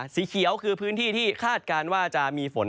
สีเขียวคือพื้นที่ที่คาดการณ์ว่าจะมีฝน